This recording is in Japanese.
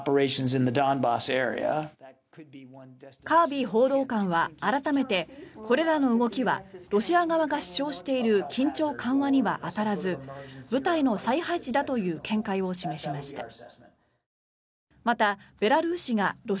カービー報道官は改めてこれらの動きはロシア側が主張している緊張緩和には当たらず部隊の再配置だという見解を示しました。